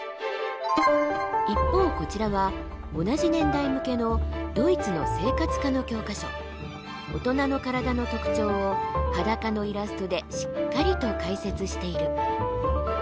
一方こちらは同じ年代向けの大人の体の特徴を裸のイラストでしっかりと解説している。